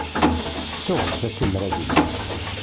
Ssuɣel-t asumer-agi.